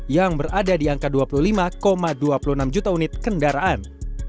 yang berada di angka dua puluh lima persen